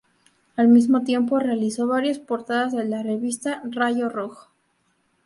Al mismo tiempo, realizó varias portadas de la revista Rayo Rojo.